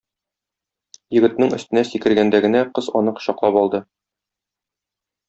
Егетнең өстенә сикергәндә генә, кыз аны кочаклап алды.